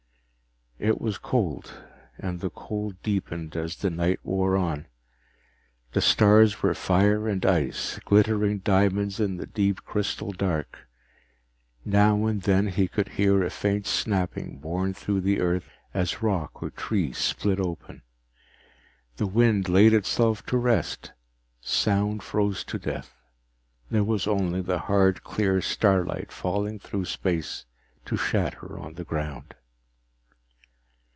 It was cold, and the cold deepened as the night wore on. The stars were fire and ice, glittering diamonds in the deep crystal dark. Now and then he could hear a faint snapping borne through the earth as rock or tree split open. The wind laid itself to rest, sound froze to death, there was only the hard clear starlight falling through space to shatter on the ground.